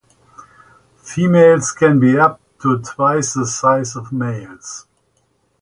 Females can be up to twice the size of males.